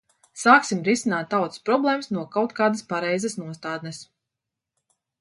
Sāksim risināt tautas problēmas no kaut kādas pareizas nostādnes.